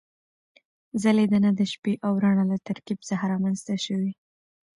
ځلېدنه د شپې او رڼا له ترکیب څخه رامنځته شوې.